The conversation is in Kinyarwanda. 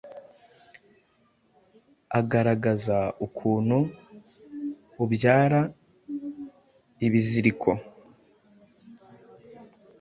agaragaza ukuntu ubyara ibiziriko